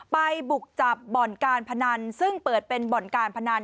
บุกจับบ่อนการพนันซึ่งเปิดเป็นบ่อนการพนัน